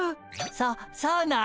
そそうなん？